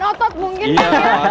ya dapat mungkin kan ya